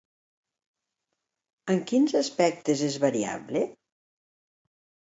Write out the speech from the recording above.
En quins aspectes és variable?